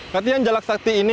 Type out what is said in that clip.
latihan jalak sakti ini